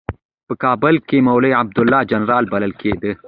په کابل کې مولوي عبیدالله جنرال بلل کېده.